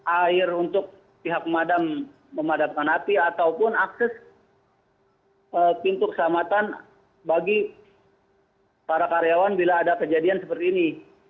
air untuk pihak pemadam memadamkan api ataupun akses pintu keselamatan bagi para karyawan bila ada kejadian seperti ini